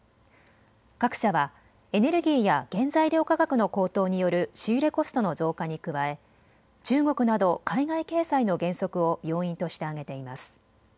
各社はエネルギーや原材料価格の高騰による仕入れコストの増加に加え中国など海外経済の減速を要因として挙げています。